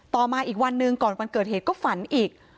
มาอีกวันหนึ่งก่อนวันเกิดเหตุก็ฝันอีก